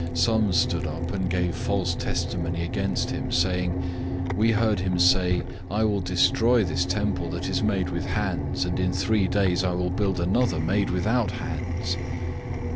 014:057 Some stood up, and gave false testimony against him, saying, 014:058 "We heard him say, 'I will destroy this temple that is made with hands, and in three days I will build another made without hands.'"